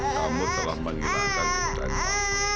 kamu telah menghilangkan keberanianmu